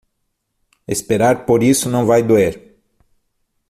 Esperar por isso não vai doer.